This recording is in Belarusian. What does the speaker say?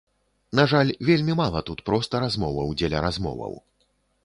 На жаль, вельмі мала тут проста размоваў дзеля размоваў.